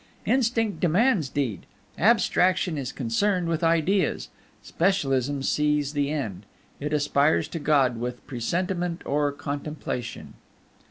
Instinct demands deed; Abstraction is concerned with Ideas; Specialism sees the end, it aspires to God with presentiment or contemplation.